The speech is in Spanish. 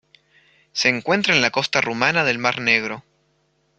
Se encuentra en la costa rumana del Mar Negro.